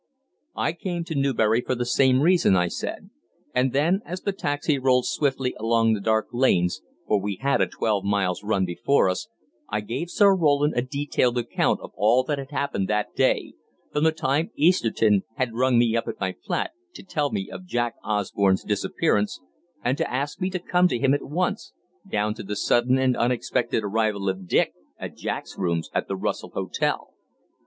"I came to Newbury for the same reason," I said; and then, as the taxi rolled swiftly along the dark lanes, for we had a twelve miles' run before us, I gave Sir Roland a detailed account of all that had happened that day, from the time Easterton had rung me up at my flat to tell me of Jack Osborne's disappearance and to ask me to come to him at once, down to the sudden and unexpected arrival of Dick at Jack's rooms at the Russell Hotel.